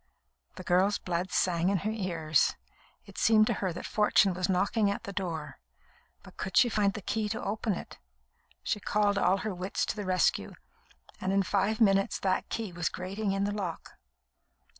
The girl's blood sang in her ears. It seemed to her that Fortune was knocking at the door; but could she find the key to open it? She called all her wits to the rescue, and in five minutes that key was grating in the lock.